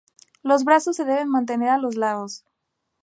Los brazos se deben mantener a los lados.